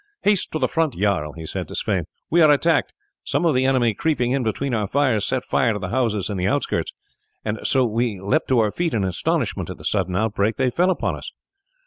"Haste to the front, jarl," he said to Sweyn, "we are attacked. Some of the enemy creeping in between our fires set fire to the houses in the outskirts, and as we leapt to our feet in astonishment at the sudden outbreak, they fell upon us.